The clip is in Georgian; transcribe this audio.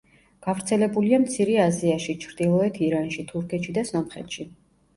გავრცელებულია მცირე აზიაში, ჩრდილოეთ ირანში, თურქეთში და სომხეთში.